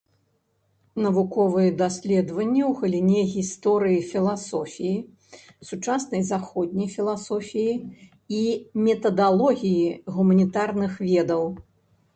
Навуковыя даследаванні ў галіне гісторыі філасофіі, сучаснай заходняй філасофіі і метадалогіі гуманітарных ведаў.